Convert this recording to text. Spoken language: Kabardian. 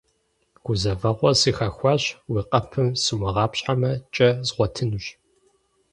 - Гузэвэгъуэ сыхэхуащ, уи къэпым сумыгъапщхьэмэ, кӏэ згъуэтынущ.